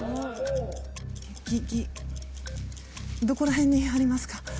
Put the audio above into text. どこら辺にありますか？